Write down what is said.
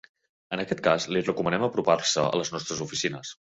En aquest cas, li recomanem apropar-se a les nostres oficines.